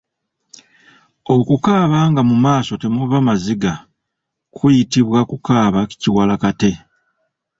Okukaaba nga mu maaso temuva maziga kuyitibwa kukaaba Kiwalakate.